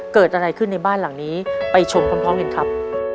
เกิดอะไรขึ้นในบ้านหลังนี้ไปชมพร้อมกันครับ